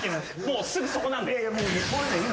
もうすぐそこなんで。